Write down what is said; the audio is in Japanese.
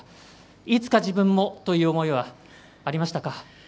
いつか自分もという思いはありましたか？